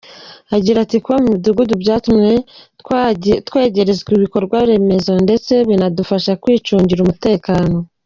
Agira ati” Kuba mu midugudu byatumye twegerezwa ibikorwa remezo, ndetse binadufasha kwicungira umutekano”.